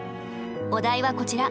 お題はこちら。